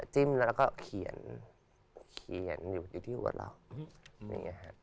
จิ้มแล้วก็เขียนอยู่ที่หัวเราะ